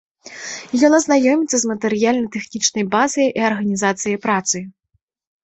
Ён азнаёміцца з матэрыяльна-тэхнічнай базай і арганізацыяй працы.